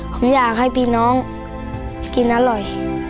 ผมอยากให้พี่น้องกินอร่อย